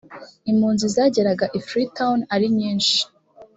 impunzi zageraga i freetown ari nyinshi